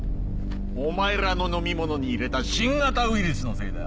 お前らの飲み物に入れた新型ウイルスのせいだ